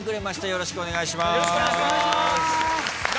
よろしくお願いします！